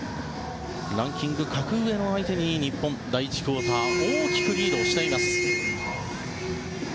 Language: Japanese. ランキング格上の相手に日本、第１クオーター大きくリードしています。